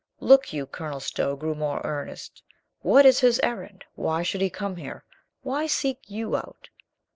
"Look you," Colonel Stow grew more earnest. "What is his errand? Why should he come here? Why seek you out?"